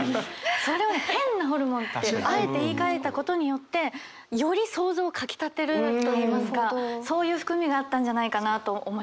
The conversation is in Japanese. それを「変なホルモン」ってあえて言いかえたことによってより想像をかきたてると言いますかそういう含みがあったんじゃないかなと思いました。